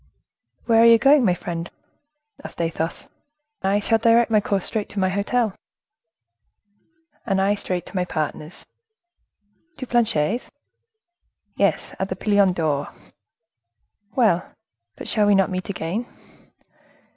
"Where are you going, my friend?" asked Athos. "I shall direct my course straight to my hotel." "And I straight to my partner's." "To Planchet's?" "Yes; at the Pilon d'Or." "Well, but shall we not meet again?"